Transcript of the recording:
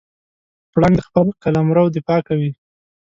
پړانګ د خپل قلمرو دفاع کوي.